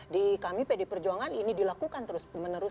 di kami pd perjuangan ini dilakukan terus menerus